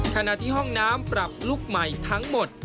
ขณะที่ห้องน้ำปรับลูกใหม่ทั้งหมด